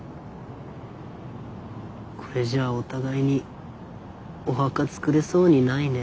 これじゃあお互いにお墓作れそうにないね。